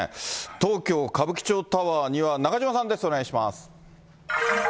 東急歌舞伎町タワーには中島さんです、お願いします。